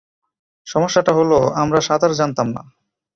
সমস্যাটা হল, আমরা সাঁতার জানতাম না।